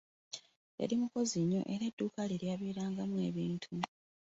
Yali mukozi nnyo era edduuka lye lyabeerangamu ebintu.